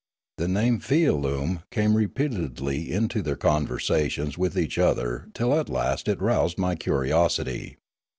The name Fialume came repeatedly into their conversations with each other till at last it roused my curiosity.